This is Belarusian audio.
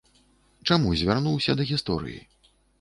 Чаму звярнуўся да гісторыі?